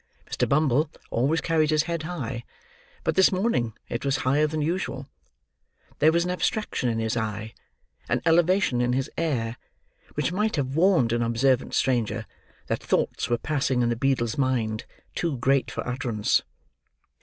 Mr. Bumble always carried his head high; but this morning it was higher than usual. There was an abstraction in his eye, an elevation in his air, which might have warned an observant stranger that thoughts were passing in the beadle's mind, too great for utterance.